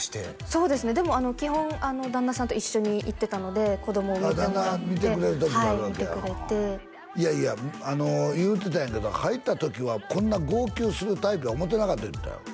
そうですねでも基本旦那さんと一緒に行ってたので子供を見てもらってああ旦那が見てくれる時があるわけやいやいや言うてたんやけど入った時はこんな号泣するタイプや思ってなかったって言ってたよ